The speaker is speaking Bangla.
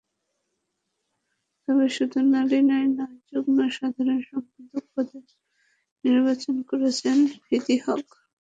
তবে শুধু স্ত্রীরাই নন, যুগ্ম সাধারণ সম্পাদক পদে নির্বাচন করছেন হৃদি হক।